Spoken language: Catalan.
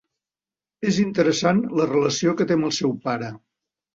És interessant la relació que té amb el seu pare.